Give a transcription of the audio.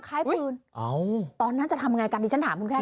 ไขปืนตอนนั้นจะทำอะไรกันจะถามคุณค่ะชิคกี้พาย